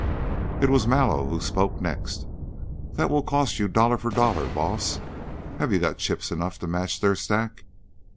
It was Mallow who spoke next. "That will cost you dollar for dollar, boss. Have you got chips enough to match their stack?"